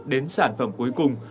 đến sản phẩm cuối cùng